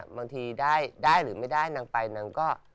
บางทีได้หรือไม่ได้นางไปนางก็